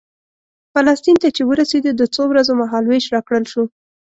فلسطین ته چې ورسېدو د څو ورځو مهال وېش راکړل شو.